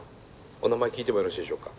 お名前聞いてもよろしいでしょうか？